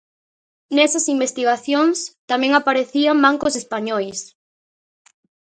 Nesas investigacións tamén aparecían bancos españois.